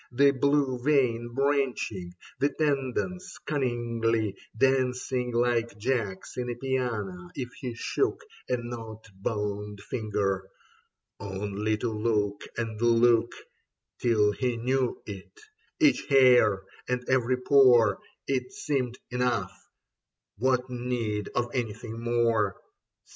The blue veins branching, the tendons cunningly Dancing like jacks in a piano if he shook A knot boned finger. Only to look and look, Till he knew it, each hair and every pore — It Seemed enough : what need of anything more